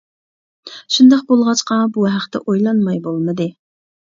شۇنداق بولغاچقا بۇ ھەقتە ئويلانماي بولمىدى.